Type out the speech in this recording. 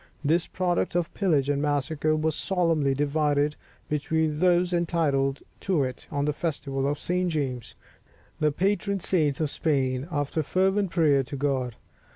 This product of pillage and massacre was solemnly divided between those entitled to it on the Festival of St. James, the patron saint of Spain, after fervent prayer to God.